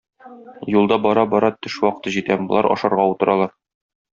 Юлда бара-бара төш вакыты җитә, болар ашарга утыралар.